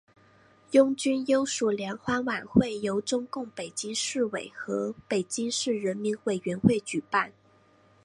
拥军优属联欢晚会由中共北京市委和北京市人民委员会举办。